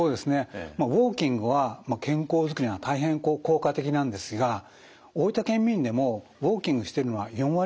ウォーキングは健康づくりには大変効果的なんですが大分県民でもウォーキングしてるのは４割ちょっとだったんですね。